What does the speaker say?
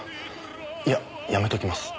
いややめときます。